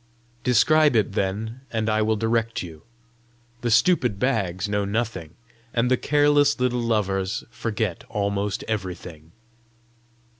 "Describe it, then, and I will direct you. The stupid Bags know nothing, and the careless little Lovers forget almost everything."